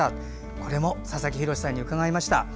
これも佐々木洋さんに伺いました。